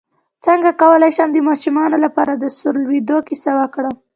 څنګه کولی شم د ماشومانو لپاره د سور لویدو کیسه وکړم